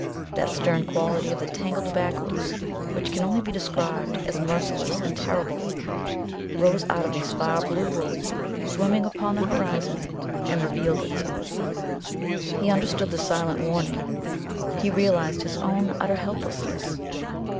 That stern quality of the tangled backwoods which can only be described as merciless and terrible, rose out of these far blue woods swimming upon the horizon, and revealed itself. He understood the silent warning. He realized his own utter helplessness.